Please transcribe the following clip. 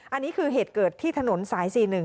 อันนี้คือเหตุเกิดที่ถนนสาย๔๑